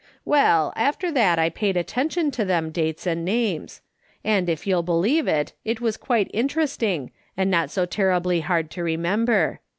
" Well, after that I paid attention to them dates and names; and, if you'll believe it, it was quite interesting and not so terribly hard to remember.